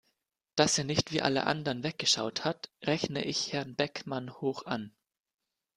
Dass er nicht wie alle anderen weggeschaut hat, rechne ich Herrn Beckmann hoch an.